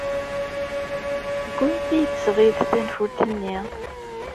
Seg wansi ay d-tesɣid tanfult-nni?